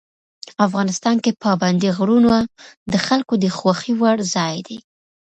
افغانستان کې پابندي غرونه د خلکو د خوښې وړ ځای دی.